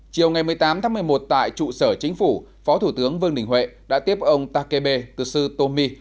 chiều ngày một mươi tám tháng một mươi một tại trụ sở chính phủ phó thủ tướng vương đình huệ đã tiếp ông takebe tsutomu